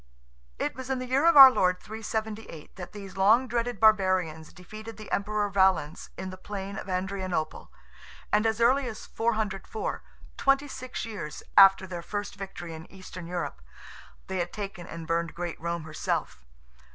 It was in the year of our Lord 378 that these long dreaded barbarians defeated the Emperor Valens in the plain of Adrianople, and as early as 404—twenty six years after their first victory in Eastern Europe—they had taken and burned great Rome herself.